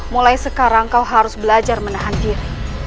mulai sekarang kau harus belajar menahan diri